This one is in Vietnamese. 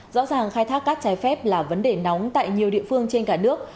rõ ràng khai thác cát trái phép là vấn đề nóng tại nhiều địa phương trên cả nước